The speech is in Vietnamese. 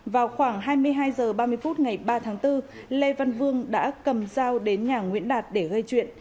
vào khoảng hai mươi hai h ba mươi phút ngày ba tháng bốn lê văn vương đã cầm dao đến nhà nguyễn đạt để gây chuyện